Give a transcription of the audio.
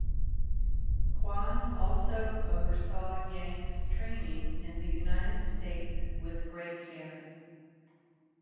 Kwan also oversaw Yang’s training in the United States with great care.